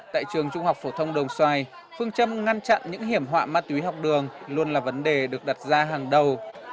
tại trường trung học phổ thông đồng xoài phương châm ngăn chặn những hiểm họa ma túy học đường luôn là vấn đề được đặt ra hàng đầu